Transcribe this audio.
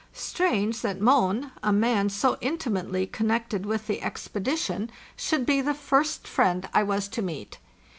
Strange that Mohn, a man so intimately connected with the expedition, 584 FARTLTHE ST NOKLET should be the first friend I was to meet!